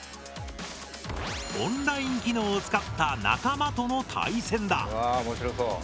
オンライン機能を使った仲間との対戦だ。